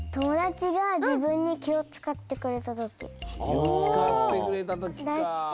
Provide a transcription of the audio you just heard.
きをつかってくれたときか。